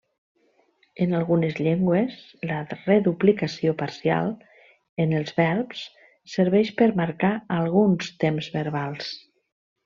En algunes llengües la reduplicació parcial en els verbs serveix per marcar alguns temps verbals.